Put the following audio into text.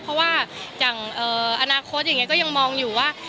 เพราะว่าอย่างอนาคตอย่างนี้ก็ยังมองอยู่ว่า